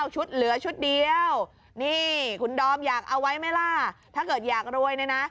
ชุดเหลือชุดเดียวนี่คุณดอมอยากเอาไว้ไหมล่ะถ้าเกิดอยากรวยเนี่ยนะ